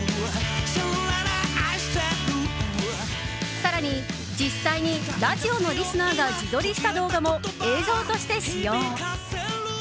更に、実際にラジオのリスナーが自撮りした動画も映像として使用。